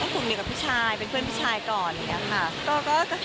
กรุ้มดูกับพี่ชายเป็นเพื่อนพี่ชายก่อน